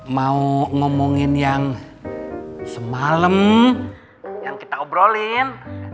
mau ngomongin yang semalam yang kita obrolin